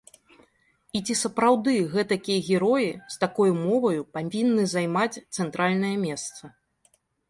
І ці сапраўды гэтакія героі, з такою моваю, павінны займаць цэнтральнае месца?